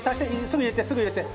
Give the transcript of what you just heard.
すぐ入れてすぐ入れて！